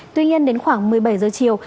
tuy nhiên đến khoảng một mươi bảy h chiều